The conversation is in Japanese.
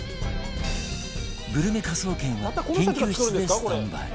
グルメ科捜研は研究室でスタンバイ